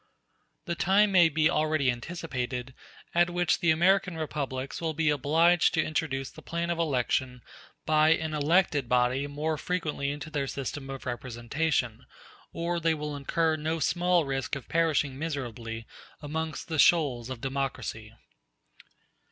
The time may be already anticipated at which the American Republics will be obliged to introduce the plan of election by an elected body more frequently into their system of representation, or they will incur no small risk of perishing miserably amongst the shoals of democracy.